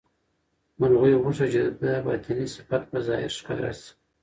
مرغۍ غوښتل چې د ده باطني صفت په ظاهر ښکاره شي.